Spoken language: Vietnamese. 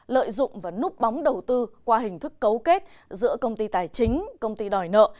lợi dụng và núp bóng đầu tư qua hình thức cấu kết giữa công ty tài chính công ty đòi nợ